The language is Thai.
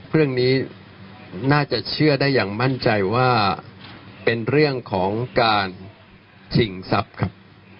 เรื่องนี้น่าจะเชื่อได้อย่างมั่นใจว่าเป็นเรื่องของการชิงทรัพย์ครับ